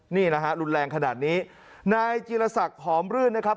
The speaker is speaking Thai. นี่นะฮะรุนแรงขนาดนี้นายจีรศักดิ์ผอมรื่นนะครับ